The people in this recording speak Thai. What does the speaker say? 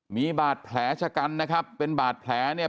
มีบาดแผลชะกันนะครับเป็นบาดแผลเนี่ย